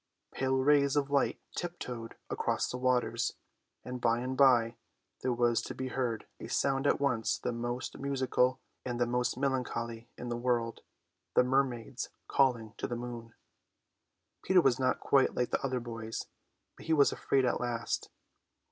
Pale rays of light tiptoed across the waters; and by and by there was to be heard a sound at once the most musical and the most melancholy in the world: the mermaids calling to the moon. Peter was not quite like other boys; but he was afraid at last.